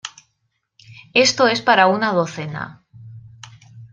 Esto es para un docena.